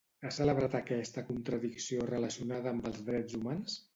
Ha celebrat aquesta contradicció relacionada amb els drets humans?